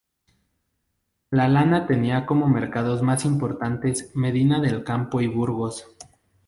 La lana tenía como mercados más importantes Medina del Campo y Burgos.